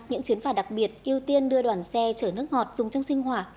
những chuyến phà đặc biệt ưu tiên đưa đoàn xe chở nước ngọt dùng trong sinh hỏa